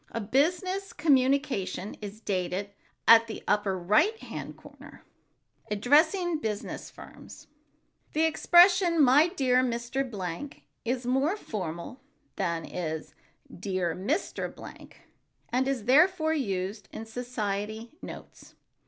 A business communication is dated at the upper right hand corner. [Sidenote: ADDRESSING BUSINESS FIRMS] The expression "My dear Mr. Blank" is more formal than is "Dear Mr. Blank," and is, therefore, used in society notes.